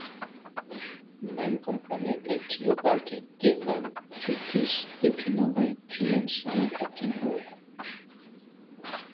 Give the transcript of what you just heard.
Memkompreneble tio parte devancitis de pli novaj sciencaj atingoj.